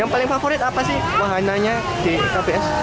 yang paling favorit apa sih wahananya di kps